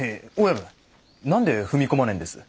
親分何で踏み込まねえんです？